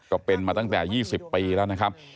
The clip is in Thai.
ก็เป็นมาตั้งแต่๒๐ปีแล้วนะครับ